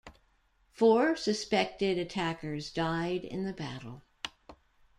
Four suspected attackers died in the battle.